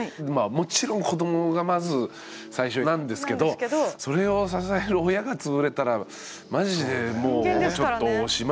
もちろん子どもがまず最初なんですけどそれを支える親が潰れたらマジでもうちょっとおしまいですもんね。